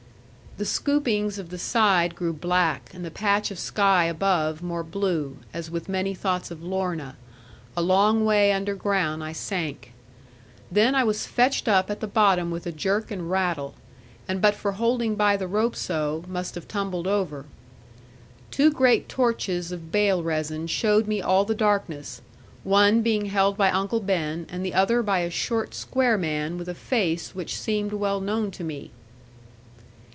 The scoopings of the side grew black, and the patch of sky above more blue, as with many thoughts of Lorna, a long way underground I sank. Then I was fetched up at the bottom with a jerk and rattle; and but for holding by the rope so, must have tumbled over. Two great torches of bale resin showed me all the darkness, one being held by Uncle Ben and the other by a short square man with a face which seemed well known to me.